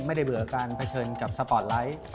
ไม่ได้เบื่อกับการเผชิญกับสปอร์ตไลท์